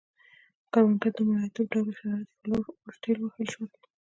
کروندګر د مریتوب ډوله شرایطو په لور ورټېل وهل شول.